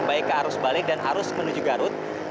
baik ke arus balik dan arus menuju garut